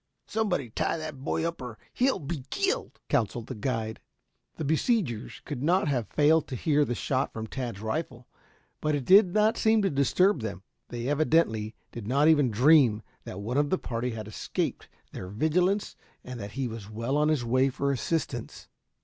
Somebody tie that boy up or he'll be killed," counseled the guide. The besiegers could not have failed to hear the shot from Tad's rifle, but it did not seem to disturb them. They evidently did not even dream that one of the party had escaped their vigilance and that he was well on his way for assistance.